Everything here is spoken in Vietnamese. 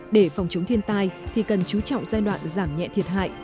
để phòng chống thiên tai thì cần chú trọng giai đoạn giảm nhẹ thiệt hại